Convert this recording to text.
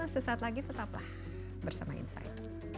sesaat lagi tetaplah bersama insight